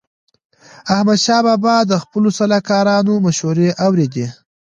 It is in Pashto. احمدشاه بابا د خپلو سلاکارانو مشوري اوريدي.